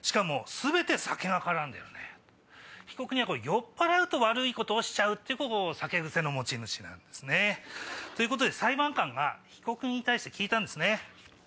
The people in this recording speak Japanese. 被告人は酔っぱらうと悪いことをしちゃうっていう酒癖の持ち主なんですね。ということで裁判官が被告に対して聞いたんですね。